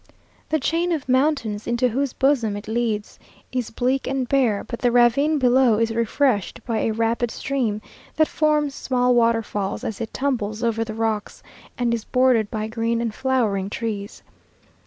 The chain of mountains, into whose bosom it leads, is bleak and bare, but the ravine below is refreshed by a rapid stream, that forms small waterfalls as it tumbles over the rocks, and is bordered by green and flowering trees.